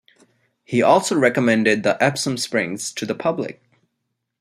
He also recommended the Epsom springs to the public.